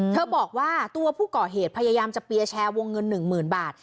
บอกว่าตัวผู้ก่อเหตุพยายามจะเปียร์แชร์วงเงิน๑๐๐๐บาท